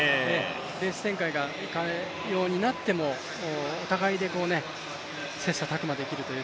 レース展開がいかようになってもお互いで切磋琢磨できるという